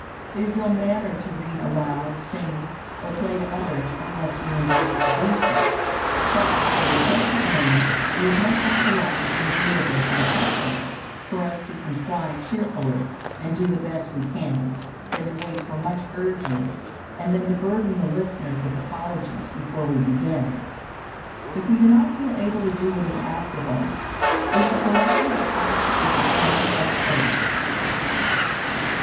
It is ill mannered to read aloud, sing, or play to others unless we are invited to do so; but if a request is made, it is much more polite and agreeable to the company for us to comply cheerfully, and do the best we can, than to wait for much urging and then to burden the listeners with apologies before we begin. If we do not feel able to do what is asked of us, we should politely but positively decline at first.